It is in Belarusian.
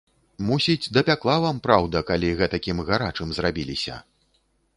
Мусіць, дапякла вам праўда, калі гэтакім гарачым зрабіліся.